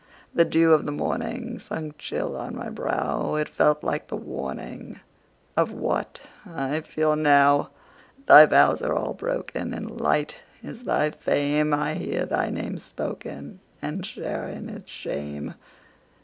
The dew of the morningSunk chill on my brow; It felt like the warningOf what I feel now. Thy vows are all broken, And light is thy fame:I hear thy name spokenAnd share in its shame.